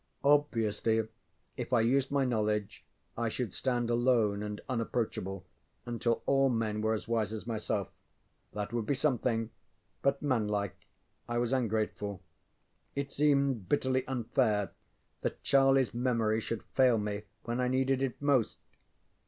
Obviously if I used my knowledge I should stand alone and unapproachable until all men were as wise as myself. That would be something, but manlike I was ungrateful. It seemed bitterly unfair that CharlieŌĆÖs memory should fail me when I needed it most.